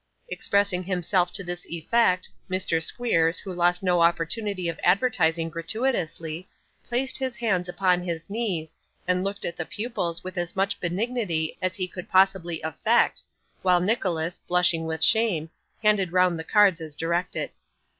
Expressing himself to this effect, Mr. Squeers, who lost no opportunity of advertising gratuitously, placed his hands upon his knees, and looked at the pupils with as much benignity as he could possibly affect, while Nicholas, blushing with shame, handed round the cards as directed.